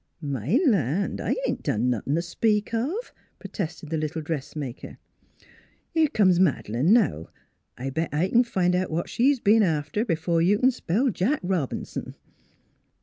" My land ! I ain't done nothin' t' speak of," protested the little dressmaker. " Here comes Mad'lane, now. I'll bet I c'n find out what she's be'n after b'fore you c'n spell Jack Robinson.""